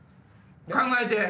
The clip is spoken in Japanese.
考えて！